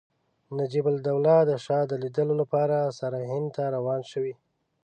نجیب الدوله د شاه د لیدلو لپاره سرهند ته روان شوی.